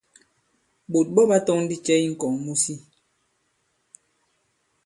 Ɓǒt ɓɔ ɓa tɔ̄ŋ ndi cɛ i ŋ̀kɔ̀ŋ mu si?